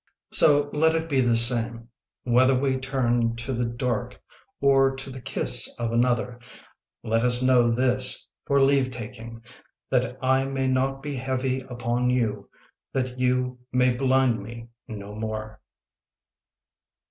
So let it be the same Whether we turn to the dark or to the kiss of another; Let us know this for leavetaking, That I may not be heavy upon you, That you may blind me no more.